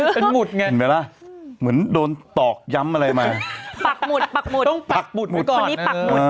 เป็นหมุดไงเหมือนล่ะเหมือนโดนตอกย้ำอะไรมาปักหมุดต้องปักหมุดก่อน